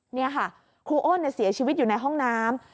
นี่ค่ะครูอ้นเสียชีวิตอยู่ในห้องน้ำ